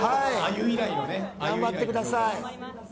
頑張ってください。